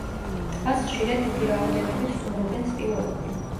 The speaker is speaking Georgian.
ტბას ხშირად დიდი რაოდენობით სტუმრობენ სპილოები.